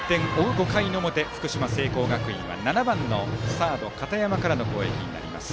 ５回の表福島・聖光学院はバッター、７番のサード片山からの攻撃になります。